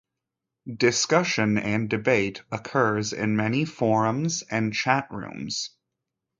Discussion and debate occurs in many forums and chat rooms.